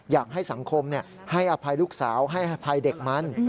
อยากให้สังคมให้อภัยลูกสาวให้อภัยเด็กมัน